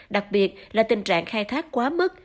đặc biệt là tình trạng khai thác quá mức